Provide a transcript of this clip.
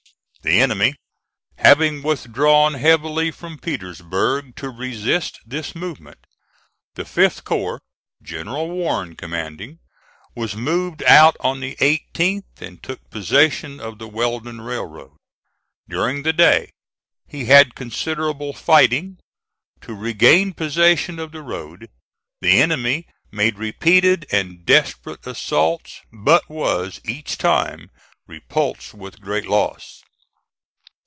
The enemy having withdrawn heavily from Petersburg to resist this movement, the 5th corps, General Warren commanding, was moved out on the 18th, and took possession of the Weldon Railroad. During the day he had considerable fighting. To regain possession of the road, the enemy made repeated and desperate assaults, but was each time repulsed with great loss.